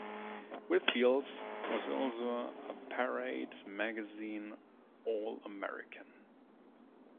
Whitfield was also a Parade Magazine All American.